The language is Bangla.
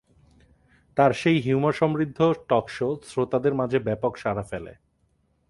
তাঁর সেই হিউমার-সমৃদ্ধ টক-শো শ্রোতাদের মাঝে ব্যাপক সাড়া ফেলে।